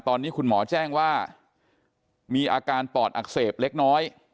ตอนนี้คุณหมอแจ้งว่ามีอาการปอดอักเสบเล็กน้อย